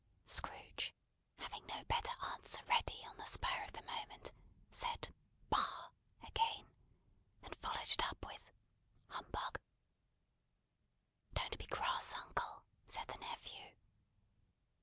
Scrooge having no better answer ready on the spur of the moment, said, "Bah!" again; and followed it up with "Humbug." "Don't be cross, uncle!" said the nephew.